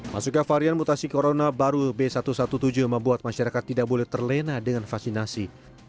masuknya varian mutasi corona baru b satu satu tujuh membuat masyarakat tidak boleh terlena dengan vaksinasi